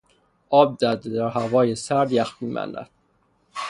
آب در هوای سرد یخ میبندد.